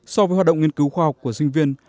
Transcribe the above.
so với hoạt động nghiên cứu khoa học của sinh viên